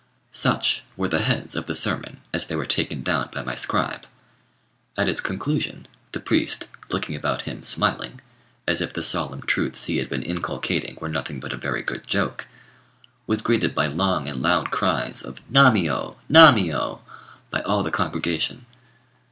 Such were the heads of the sermon as they were taken down by my scribe. At its conclusion, the priest, looking about him smiling, as if the solemn truths he had been inculcating were nothing but a very good joke, was greeted by long and loud cries of "Nammiyô! nammiyô!" by all the congregation.